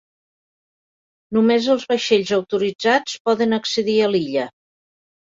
Només els vaixells autoritzats poden accedir a l'illa.